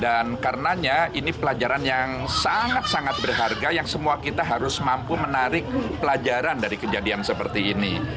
dan karenanya ini pelajaran yang sangat sangat berharga yang semua kita harus mampu menarik pelajaran dari kejadian seperti ini